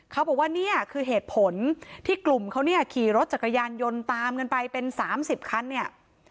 เขาบอกว่าเนี่ยคือเหตุผลที่กลุ่มเขาเนี่ยขี่รถจักรยานยนต์ตามกันไปเป็น๓๐คันเนี่ย